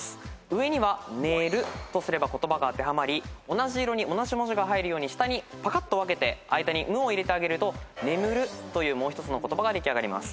上には「ねる」とすれば言葉が当てはまり同じ色に同じ文字が入るように下にパカッと分けて間に「む」を入れると「ねむる」というもう一つの言葉ができあがります。